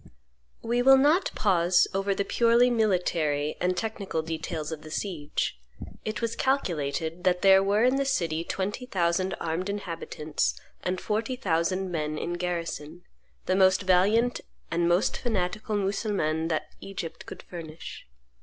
We will not pause over the purely military and technical details of the siege. It was calculated that there were in the city twenty thousand armed inhabitants and forty thousand men in garrison, the most valiant and most fanatical Mussulmans that Egypt could furnish.